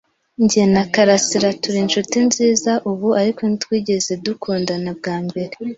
Jye na karasira turi inshuti nziza ubu, ariko ntitwigeze dukundana bwa mbere.